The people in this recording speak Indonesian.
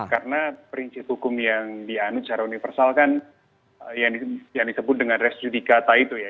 karena prinsip hukum yang dianud secara universal kan yang disebut dengan res judikata itu ya